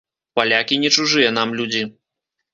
Палякі не чужыя нам людзі.